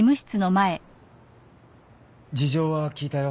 事情は聞いたよ。